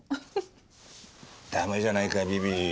駄目じゃないかビビ。